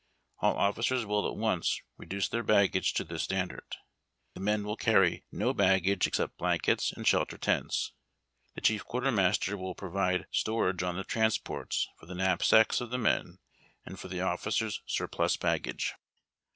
All officers will at once reduce their baggage to this standard. The men will carry no baggage except blankets and shelter tents. The Chief Quartermaster will provide , storage on the transjjorts for the knapsacks of the men and for the officers' surplus baggage.